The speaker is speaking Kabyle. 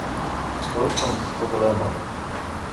Ur kent-sseḍlameɣ.